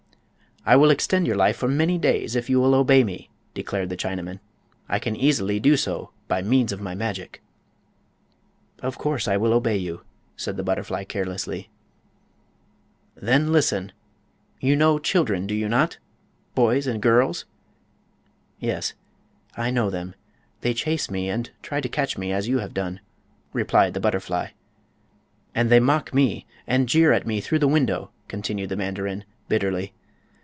"I will extend your life for many days, if you will obey me," declared the Chinaman. "I can easily do so by means of my magic." "Of course I will obey you," said the butterfly, carelessly. "Then, listen! You know children, do you not?—boys and girls?" "Yes, I know them. They chase me, and try to catch me, as you have done," replied the butterfly. "And they mock me, and jeer at me through the window," continued the mandarin, bitterly.